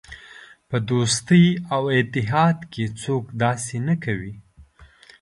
په دوستۍ او اتحاد کې څوک داسې نه کوي.